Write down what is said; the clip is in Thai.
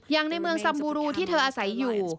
อย่างในเมืองซัมบูรูที่เธออาศัยอยู่